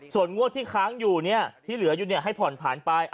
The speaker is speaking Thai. ส่วนงวดที่ค้างอยู่ที่เหลืออยู่ให้ผ่อนผันไป